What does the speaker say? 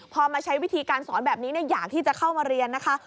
พอมาใช้วิธีการสอนแบบนี้อยากที่จะเข้ามาเรียนนะคะ